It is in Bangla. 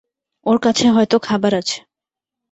ওর কাছে হয়তো খাবার আছে।